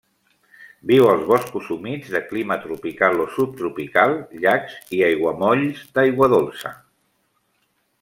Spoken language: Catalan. Viu als boscos humits de clima tropical o subtropical, llacs i aiguamolls d'aigua dolça.